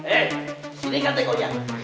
eh sini kata kau yang